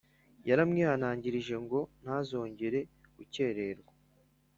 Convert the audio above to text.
yaramwihanangirije ngo ntazongere gukererwa.